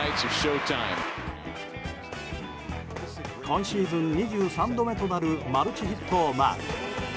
今シーズン２３度目となるマルチヒットをマーク。